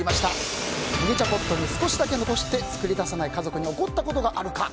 麦茶ポットに少しだけ残して作り足さない家族に怒ったことがあるか。